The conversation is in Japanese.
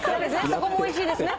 そこもおいしいですね。